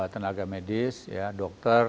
tenaga medis dokter